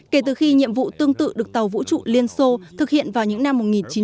kể từ khi nhiệm vụ tương tự được tàu vũ trụ liên xô thực hiện vào những năm một nghìn chín trăm bảy mươi